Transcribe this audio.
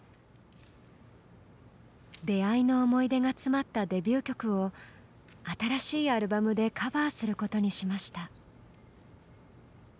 出会いの思い出が詰まったデビュー曲を新しいアルバムでカバーすることにしました。